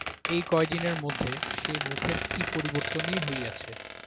এই কয়দিনের মধ্যে সে মুখের কী পরিবর্তনই হইয়াছে!